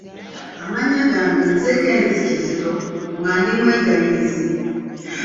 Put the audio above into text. Amannya gange nze Kenneth Kizito nga ndi Mwegayirizi